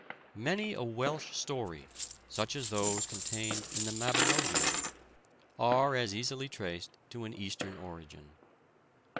Many a Welsh story, such as those contained in the Mabinogion, are as easily traced to an Eastern origin.